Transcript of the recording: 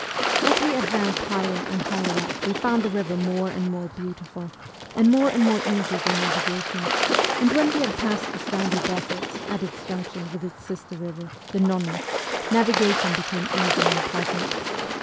As we advanced higher and higher up we found the river more and more beautiful, and more and more easy for navigation ; and when we had passed the sandy deserts at its junction with its sister river, the Nonni, navigation became easy and pleasant.